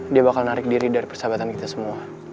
dia bakal narik diri dari persahabatan kita semua